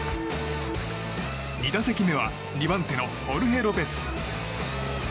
２打席目は２番手のホルヘ・ロペス。